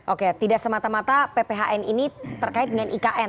oke tidak semata mata pphn ini terkait dengan ikn